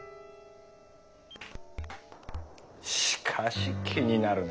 しかし気になるな。